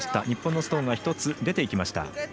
日本のストーン１つ出ていきました。